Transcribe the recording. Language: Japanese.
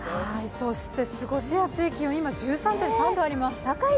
そして過ごしやすい気温、今、１３．３度あります。